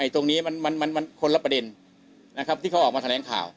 ตรงนี้มันคนละประเด็นที่เขาออกมาแถลงข่าว